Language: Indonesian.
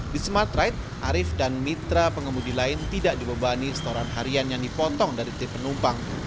di smart ride arief dan mitra pengemudi lain tidak dibebani setoran harian yang dipotong dari tim penumpang